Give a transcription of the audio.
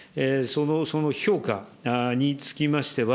その評価につきましては、